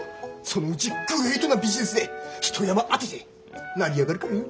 そのうちグレイトなビジネスで一山当てて成り上がるからよ。